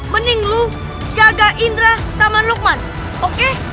mending lu jaga indra saman lukman oke